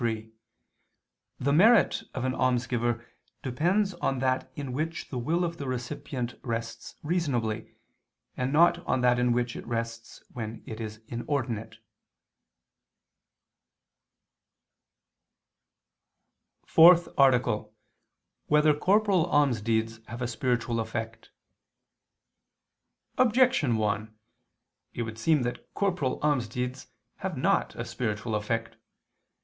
3: The merit of an almsgiver depends on that in which the will of the recipient rests reasonably, and not on that in which it rests when it is inordinate. _______________________ FOURTH ARTICLE [II II, Q. 32, Art. 4] Whether Corporal Almsdeeds Have a Spiritual Effect? Objection 1: It would seem that corporal almsdeeds have not a spiritual effect.